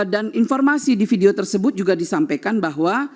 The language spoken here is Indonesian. dan informasi di video tersebut juga disampaikan bahwa